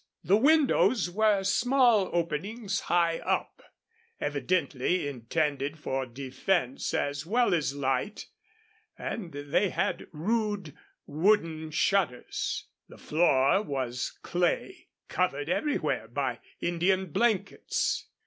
The windows were small openings high up, evidently intended for defense as well as light, and they had rude wooden shutters. The floor was clay, covered everywhere by Indian blankets.